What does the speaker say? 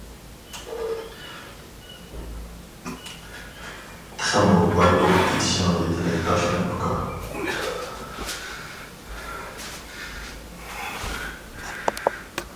تېخىمۇ باي بولۇپ كېتىشىڭىزگە تىلەكداشمەن، ئۇكا.